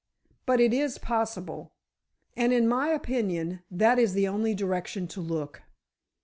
But it is possible, and, in my opinion, that is the only direction to look."